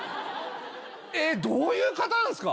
えっどういう方ですか？